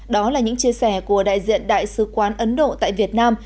đó là những chia sẻ của đại diện đại sứ quán ấn độ tại việt nam